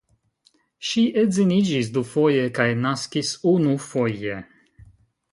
Ŝi edziniĝis dufoje kaj naskis unufoje.